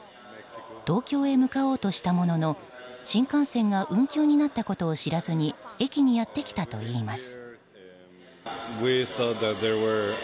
東京へ向かおうとしたものの新幹線が運休になったことを知らずに駅にやってきたといいます。